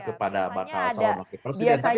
kepada bakal calon makin persediaan